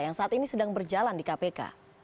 yang saat ini sedang berjalan di kpk